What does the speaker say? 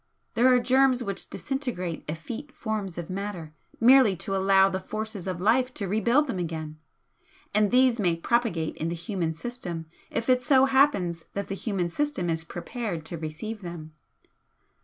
There are germs which disintegrate effete forms of matter merely to allow the forces of life to rebuild them again and these may propagate in the human system if it so happens that the human system is prepared to receive them.